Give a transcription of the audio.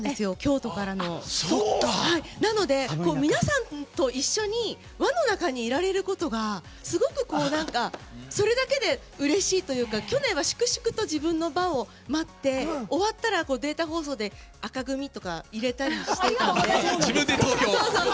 だから、皆さんと一緒に輪の中にいられることがすごく、それだけでうれしいというか去年は粛々と自分の番を待って終わったら、データ放送で紅組とか入れたりしてたので。